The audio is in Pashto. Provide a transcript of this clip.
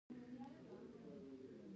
د بولان پټي د افغانانو د تفریح یوه وسیله ده.